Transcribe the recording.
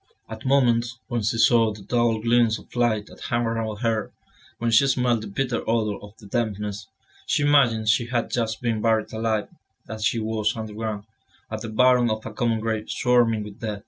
At moments, when she saw the dull gleams of light that hung around her, when she smelt the bitter odour of the dampness, she imagined she had just been buried alive, that she was underground, at the bottom of a common grave swarming with dead.